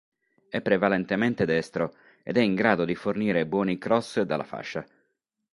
È prevalentemente destro ed è in grado di fornire buoni cross dalla fascia.